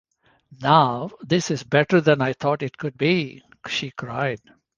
“Now this is better than I thought it could be!” she cried.